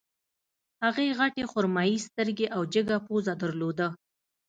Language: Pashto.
هغې غټې خرمايي سترګې او جګه پزه درلوده